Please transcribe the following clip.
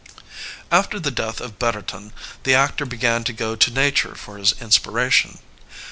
After the death of Betterton the actor began to go to nature for his inspiration.